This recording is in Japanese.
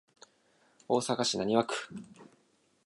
大阪市浪速区